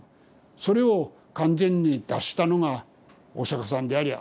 それを完全に脱したのがお釈さんであり仏さん。